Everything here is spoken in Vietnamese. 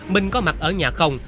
minh có mặt ở nhà không